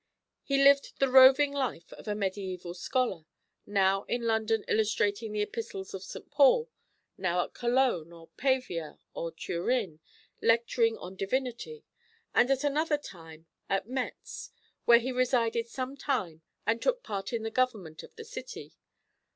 He lived the roving life of a mediaeval scholar, now in London illustrating the Epistles of St. Paul, now at Cologne or Pavia or Turin lecturing on Divinity, and at another time at Metz, where he resided some time and took part in the government of the city.